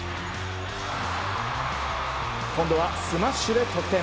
今度はスマッシュで得点。